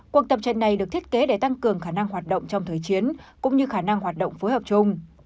cuộc tập trận này được thiết kế để tăng cường khả năng hoạt động trong thời chiến cũng như khả năng hoạt động phối hợp chung